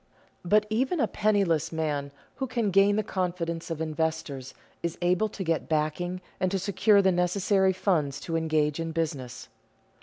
But even a penniless man who can gain the confidence of investors is able to get backing and to secure the necessary funds to engage in business.